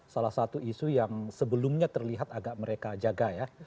salah satu isu yang sebelumnya terlihat agak mereka jaga ya